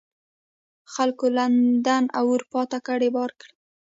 خلکو لندن او اروپا ته کډې بار کړې.